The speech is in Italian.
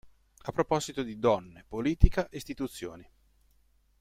A proposito di donne, politica, istituzioni".